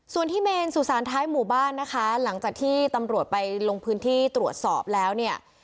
ส่วนที่เมนสุสานท้ายหมู่บ้านนะคะหลังจากที่ตำรวจไปลงพื้นที่ตรวจสอบแล้วเนี่ย